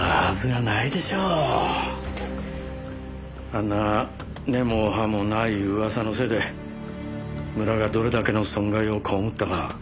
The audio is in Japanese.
あんな根も葉もない噂のせいで村がどれだけの損害を被ったか。